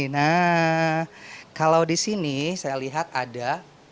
nah kalau disini saya lihat ada